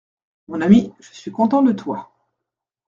Mon ami, je suis content de toi…